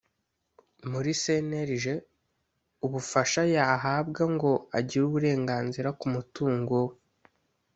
muri cnlg ubufasha yahabwa ngo agire uburenganzira k umutungo we